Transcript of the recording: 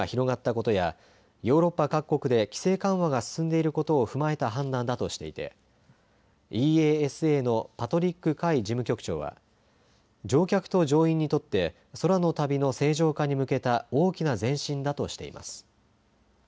ワクチン接種が広がったことやヨーロッパ各国で規制緩和が進んでいることを踏まえた判断だとしていてＥＡＳＡのパトリック・カイ事務局長は乗客と乗員にとって空の旅の正常化に向けた大きな前進だとしています。